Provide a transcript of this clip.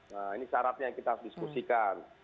nah ini syaratnya yang kita harus diskusikan